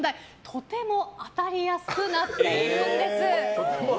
とても当たりやすくなっているんです。